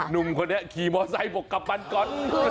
หนุ่มคนนี้ขี่มอไซค์บอกกับมันก่อน